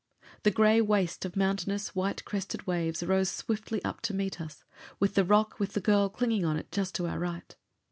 The gray waste of mountainous, white crested waves rose swiftly up to meet us, with the rock with the girl clinging to it just to our right.